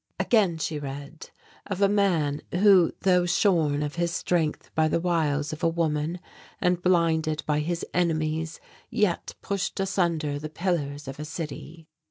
Again she read, of a man who, though shorn of his strength by the wiles of a woman and blinded by his enemies, yet pushed asunder the pillars of a city.